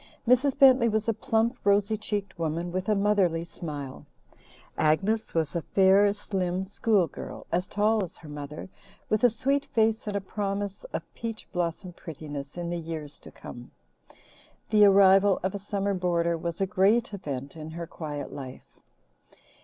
Mrs. Bentley was a plump, rosy cheeked woman with a motherly smile. Agnes was a fair, slim schoolgirl, as tall as her mother, with a sweet face and a promise of peach blossom prettiness in the years to come. The arrival of a summer boarder was a great event in her quiet life.